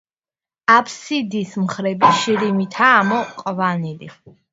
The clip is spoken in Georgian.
აბსიდის მხრები შირიმითაა ამოყვანილი.